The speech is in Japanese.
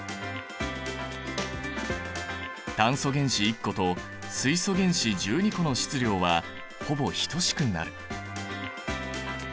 炭素原子１個と水素原子１２個の質量はほぼ等しくなる。